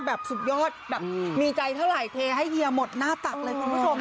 แบบสุดยอดแบบมีใจเท่าไหร่เทให้เฮียหมดหน้าตักเลยคุณผู้ชม